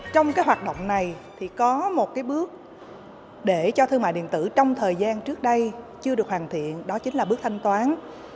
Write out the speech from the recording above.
trong cái hoạt động này thì có một cái bước để cho thương mại điện tử trong thời gian trước đây chưa được hoàn thiện đó chính là bước thanh toán